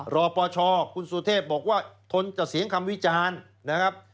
รอปชคุณสุเทพบอกว่าทนกับเสียงคำวิจารณ์นะครับ